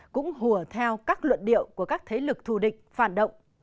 cũng hùa theo các luận điệu của các thế lực thù địch phản động